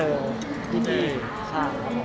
ที่ที่ค่ะ